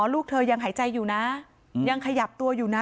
ลูกเธอยังหายใจอยู่นะยังขยับตัวอยู่นะ